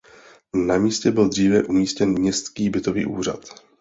Na místě byl dříve umístěn Městský bytový úřad.